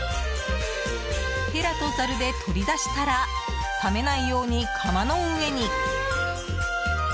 へらとざるで取り出したら冷めないように釜の上に。